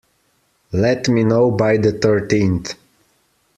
Let me know by the thirteenth.